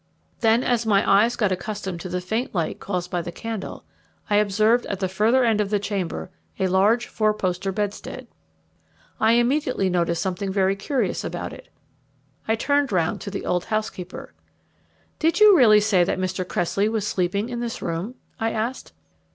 Then, as my eyes got accustomed to the faint light caused by the candle, I observed at the further end of the chamber a large four poster bedstead. I immediately noticed something very curious about it. I turned round to the old housekeeper. "Did you really say that Mr. Cressley was sleeping in this room?" I asked.